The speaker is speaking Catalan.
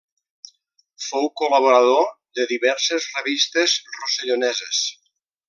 Fou col·laborador de diverses revistes rosselloneses.